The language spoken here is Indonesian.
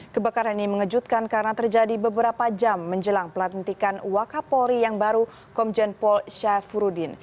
kebakaran ini mengejutkan karena terjadi beberapa jam menjelang pelantikan wakapolri yang baru komjen pol syafruddin